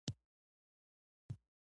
ځان ته د مطالعې فهرست جوړول